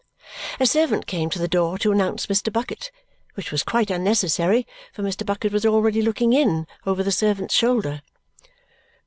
A servant came to the door to announce Mr. Bucket, which was quite unnecessary, for Mr. Bucket was already looking in over the servant's shoulder.